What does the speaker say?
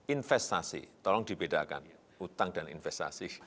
investasi tolong dibedakan hutang dan investasi